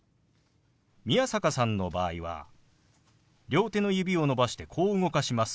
宮坂さんの場合は両手の指を伸ばしてこう動かします。